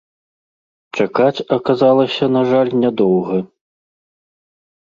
Чакаць аказалася, на жаль, нядоўга.